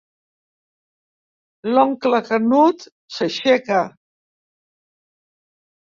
L'oncle Canut s'aixeca.